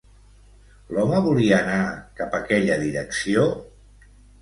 L'home volia anar cap aquella direcció?